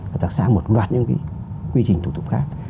hợp tác xã một loạt những cái quy trình thủ tục khác